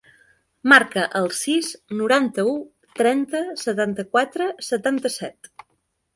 Marca el sis, noranta-u, trenta, setanta-quatre, setanta-set.